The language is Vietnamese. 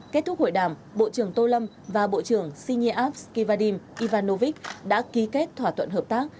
kết thúc hội đàm bộ trưởng tô lâm và bộ trưởng siniav skivadim ivanovich đã ký kết thỏa thuận hợp tác